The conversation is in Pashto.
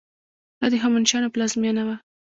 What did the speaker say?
دا د هخامنشیانو پلازمینه وه.